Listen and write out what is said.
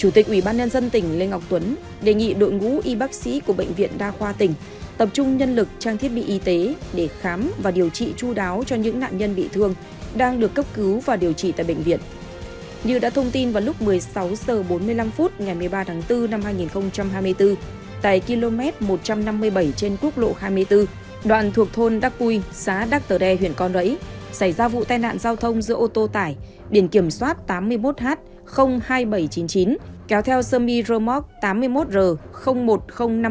tại khoa cấp cứu bệnh viện đa khoa tỉnh chủ tịch ubnd tỉnh lê ngọc tuấn trao hỗ trợ mỗi nạn nhân bị thương trong vụ tai nạn hai triệu đồng và hỗ trợ gia đình người tử vong năm triệu đồng